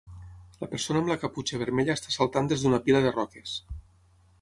La persona amb la caputxa vermella està saltant des d'una pila de roques.